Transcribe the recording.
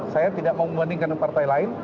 saya tidak mau membandingkan dengan partai lain